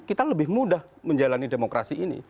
kita lebih mudah menjalani demokrasi ini